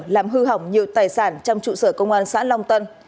làm hư hỏng nhiều tài sản trong trụ sở công an xã long tân